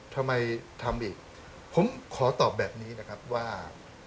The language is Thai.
ทำไมทำอีกผมขอตอบแบบนี้นะครับว่า